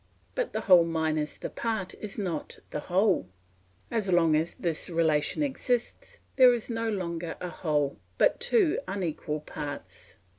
But the whole minus the part is not the whole; as long as this relation exists, there is no longer a whole, but two unequal parts.